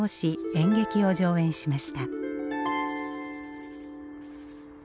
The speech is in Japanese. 演劇を上演しました。